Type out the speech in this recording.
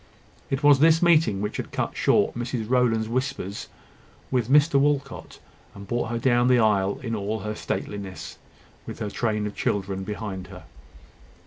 It was this meeting which had cut short Mrs Rowland's whispers with Mr Walcot, and brought her down the aisle in all her stateliness, with her train of children behind her.